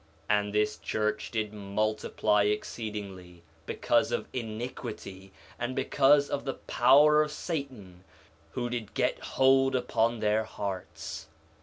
4 Nephi 1:28 And this church did multiply exceedingly because of iniquity, and because of the power of Satan who did get hold upon their hearts.